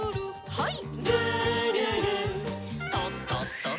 はい。